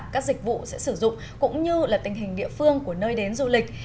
các dịch vụ sẽ sử dụng cũng như là tình hình địa phương của nơi đến du lịch